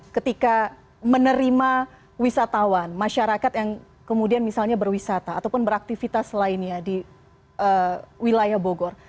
ketika menerima wisatawan masyarakat yang kemudian misalnya berwisata ataupun beraktivitas lainnya di wilayah bogor